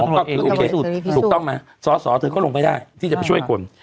ก็คือโอเคถูกต้องไหมสอสอเธอก็ลงไม่ได้ที่จะไปช่วยคน